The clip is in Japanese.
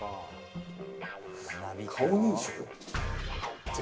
顔認証？